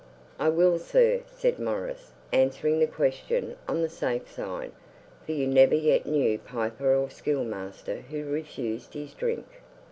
'I will, sir,' said Maurice, answering the question on the safe side, for you never yet knew piper or schoolmaster who refused his drink.